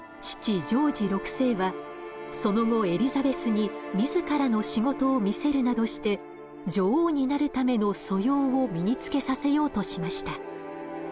ジョージ６世はその後エリザベスに自らの仕事を見せるなどして女王になるための素養を身につけさせようとしました。